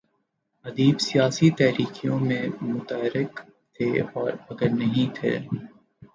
ادیب سیاسی تحریکوں میں متحرک تھے اور اگر نہیں تھے۔